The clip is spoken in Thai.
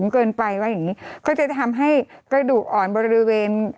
เขาจะทำให้กระดูกอ่อนบริเวณ